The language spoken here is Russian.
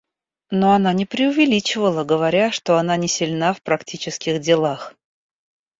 Но она не преувеличивала, говоря, что она не сильна в практических делах.